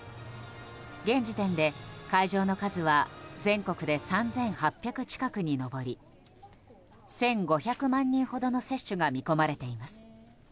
現時点で会場の数は全国で３８００近くに上り１５００万人ほどの接種が見込まれています。